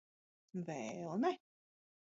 Vēl ne.